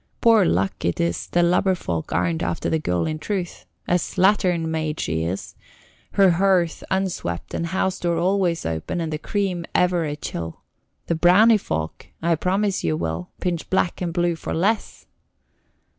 Poor luck it is the lubberfolk aren't after the girl in truth; a slattern maid she is, her hearth unswept and house door always open and the cream ever a chill. The brownie folk, I promise you, Will, pinch black and blue for less."